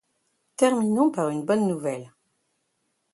Terminons par une bonne nouvelle.